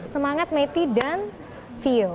semangat maiti dan sio